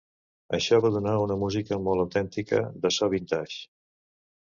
Això va donar una música molt autèntica, de so vintage.